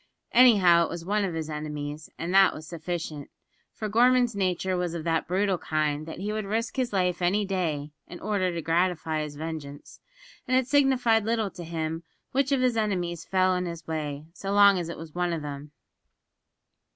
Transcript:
Anyhow it was one of his enemies, and that was sufficient, for Gorman's nature was of that brutal kind that he would risk his life any day in order to gratify his vengeance, and it signified little to him which of his enemies fell in his way, so long as it was one of them.